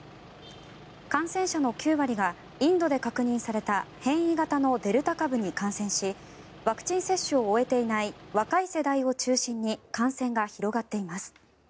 感染者の９割がインドで確認された変異型のデルタ株に感染しワクチン接種を終えていない若い世代を中心に感染が広がっています。